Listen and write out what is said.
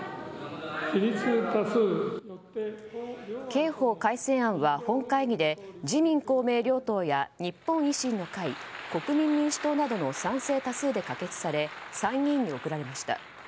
刑法改正案は本会議で自民・公明両党や日本維新の会、国民民主党などの賛成多数で可決され参議院に送られました。